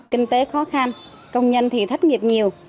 kinh tế khó khăn công nhân thì thất nghiệp nhiều